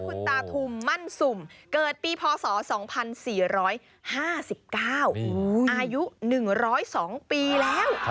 คุณตาทุมมั่นสุ่มเกิดปีพศ๒๔๕๙อายุ๑๐๒ปีแล้ว